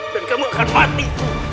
dan kamu akan mati